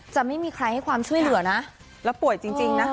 จะไม่มีใครให้ความช่วยเหลือนะแล้วป่วยจริงนะคะ